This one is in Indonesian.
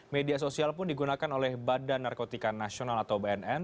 media sosial pun digunakan oleh badan narkotika nasional atau bnn